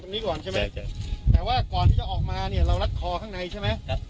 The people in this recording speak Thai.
ที่จะออกมาเราลัดคอกลังในใช่ไหม